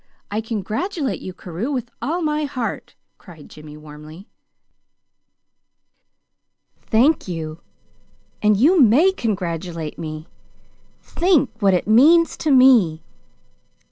I congratulate you, Carew, with all my heart," cried Jimmy, warmly. "Thank you and you may congratulate me. Think what it means to me.